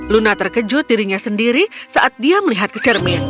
luna terkejut dirinya sendiri saat dia melihat ke cermin